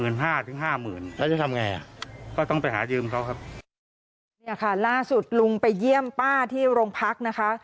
เนี่ยค่ะล่าสุดลุงไปเยี่ยมป้าที่โรงพักนะคะ